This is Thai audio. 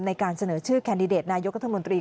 ในการเสนอชื่อแคนดิเดตนายกรัฐมนตรี